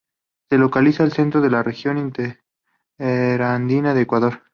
Se localiza al centro de la Región interandina del Ecuador.